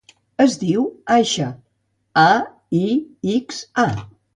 Es diu Aixa: a, i, ics, a.